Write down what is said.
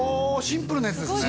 シンプルなやつですね